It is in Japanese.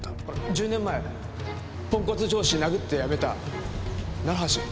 １０年前ポンコツ上司殴って辞めた橋？